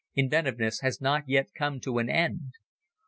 Inventiveness has not yet come to an end.